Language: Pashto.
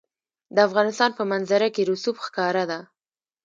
د افغانستان په منظره کې رسوب ښکاره ده.